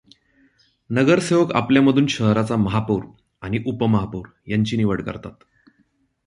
नगरसेवक आपल्यामधून शहराचा महापौर आणि उपमहापौर यांची निवड करतात.